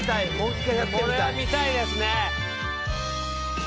これは見たいですね。